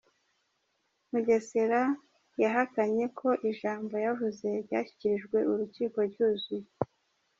Mugesera yahakanye ko ijambo yavuze ryashyikirijwe Urukiko ryuzuye